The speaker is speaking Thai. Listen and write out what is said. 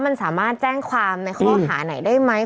มันสามารถแจ้งความในข้อหาไหนได้ไหม